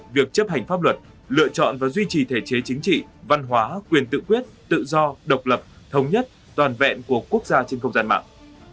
việc chấp hành pháp luật lựa chọn và duy trì thể chế chính trị văn hóa quyền tự quyết tự do độc lập thống nhất toàn vẹn của quốc gia trên không gian mạng